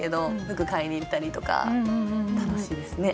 服買いに行ったりとか楽しいですね。